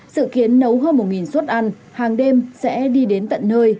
dự kiến nấu hơn một suất ăn hàng đêm sẽ đi đến tận nơi